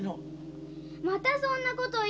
またそんなこと言って！